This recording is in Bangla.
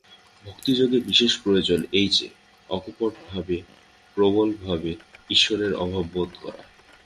ভক্তিযোগে বিশেষ প্রয়োজন এই যে, অকপটভাবে ও প্রবলভাবে ঈশ্বরের অভাব বোধ করা।